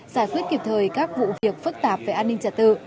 giải quyết kịp thời các vụ việc phức tạp về an ninh trật tự